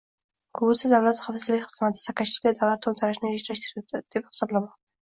Gruziya Davlat xavfsizlik xizmati Saakashvili davlat to‘ntarishini rejalashtiryapti deb hisoblamoqda